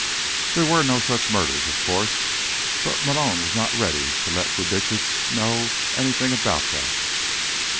There were no such murders, of course. But Malone was not ready to let Brubitsch know anything about that.